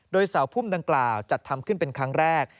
โดยเสาพุ่มดังกล่าวจัดทำขึ้นเป็นครั้งแรก